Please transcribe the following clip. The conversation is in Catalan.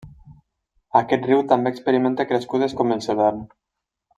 Aquest riu també experimenta crescudes com el Severn.